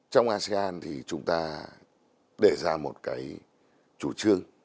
trong asean thì chúng ta để ra một cái chủ trương